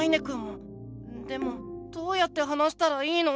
でもどうやって話したらいいの？